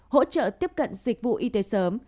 hỗ trợ tiếp cận dịch vụ y tế sớm